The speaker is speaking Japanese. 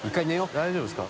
大丈夫ですか？